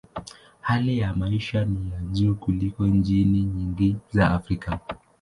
Hali ya maisha ni ya juu kuliko nchi nyingi za Afrika.